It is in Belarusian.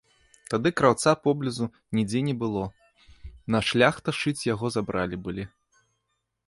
Тады краўца поблізу нідзе не было, на шляхта шыць яго забралі былі.